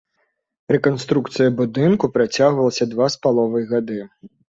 Рэканструкцыя будынку працягвалася два з паловай гады.